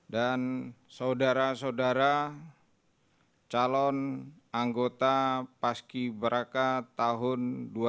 dan saudara saudara calon anggota paski braka tahun dua ribu delapan belas